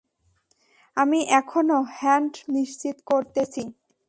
আমি এখনও হ্যান্ডঅফ নিশ্চিত করতেছি।